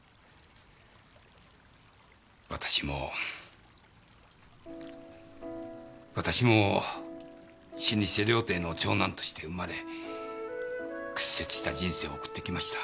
私も私も老舗料亭の長男として生まれ屈折した人生を送ってきました。